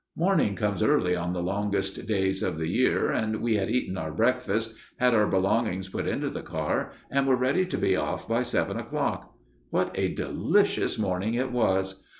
Morning comes early on the longest days of the year, and we had eaten our breakfast, had our belongings put into the car, and were ready to be off by seven o'clock. What a delicious morning it was!